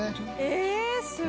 えすごい！